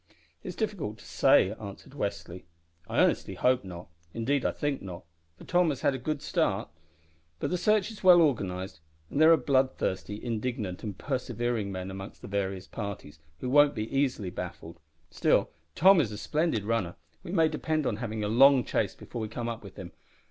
"It is difficult to say," answered Westly. "I earnestly hope not; indeed I think not, for Tom has had a good start; but the search is well organised, and there are bloodthirsty, indignant, and persevering men among the various parties, who won't be easily baffled. Still Tom is a splendid runner. We may depend on having a long chase before we come up with him."